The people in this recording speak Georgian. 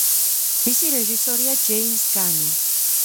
მისი რეჟისორია ჯეიმზ განი.